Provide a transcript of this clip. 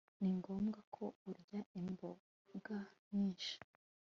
Ni ngombwa ko urya imboga nyinshi